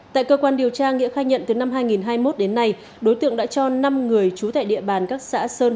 tại cơ quan điều tra nghĩa khai nhận từ năm hai nghìn hai mươi một đến nay đối tượng đã cho năm người trú tại địa bàn các xã sơn